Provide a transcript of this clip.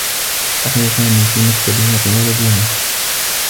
بقيَ سامي في مكتبه طوال اليوم.